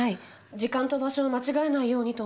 時間と場所を間違えないようにと思って。